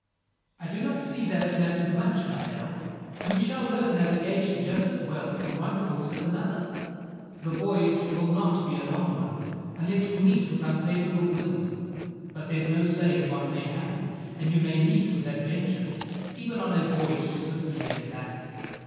"I do not see that it matters much, Matteo; and we shall learn navigation just as well from one course as another. The voyage will not be a long one, unless we meet with unfavourable winds; but there's no saying what may happen, and you may meet with adventure, even on a voyage to Sicily and back."